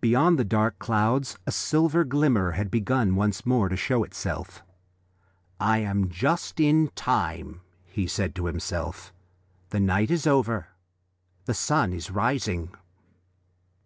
Beyond the dark clouds a silver glimmer had begun once more to show itself. "I am just in time," he said to himself, "the night is over, the sun is rising."